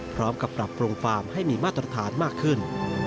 พร้อมกับปรับโครงความให้มีมาตรฐานมากขึ้น